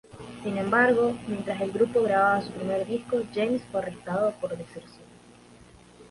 Sin embargo, mientras el grupo grababa su primer disco, James fue arrestado por deserción.